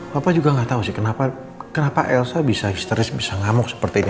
papa juga gak tau sih kenapa elsa bisa histeris bisa ngamuk seperti ini